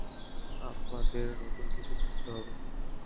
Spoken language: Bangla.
আমাদের নতুন কিছু খুঁজতে হবে।